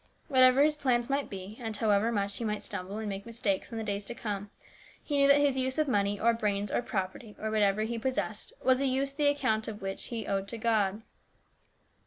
What ever his plans might be, and however much he might stumble and make mistakes in the days to come, he knew that his use of money or brains or property, or whatever he possessed, was a use the account of which he owed to God.